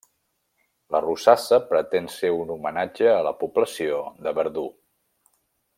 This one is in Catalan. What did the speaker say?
La rosassa pretén ser un homenatge a la població de Verdú.